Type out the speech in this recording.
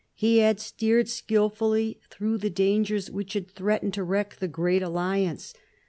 He had steered skilfully through the dangers which had threatened to wreck the great alliance.